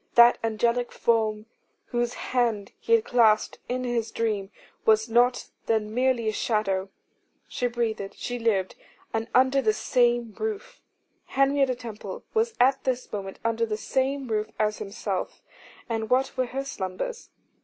That angelic form whose hand he had clasped in his dream, was not then merely a shadow. She breathed, she lived, and under the same roof. Henrietta Temple was at this moment under the same roof as himself: and what were her slumbers?